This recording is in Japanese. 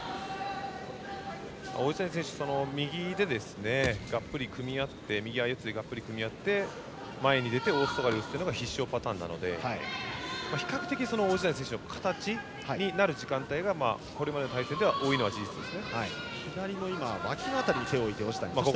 王子谷選手右相四つでがっぷり組み合って前に出て、大外刈りが必勝パターンなので比較的、王子谷選手の形になる時間帯がこれまでの対戦では多いのが事実です。